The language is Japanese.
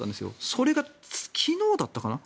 それが昨日だったかな。